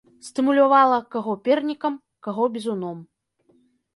Стымулявала каго пернікам, каго бізуном.